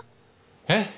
え？